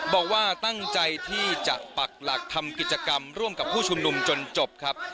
บอกว่าตั้งใจที่จะปักหลักทำกิจกรรมร่วมกับผู้ชุมนุมจนจบครับ